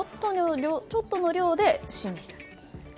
ちょっとの量で染みる。